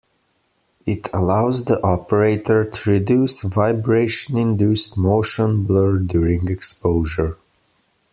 It allows the operator to reduce vibration-induced motion blur during exposure.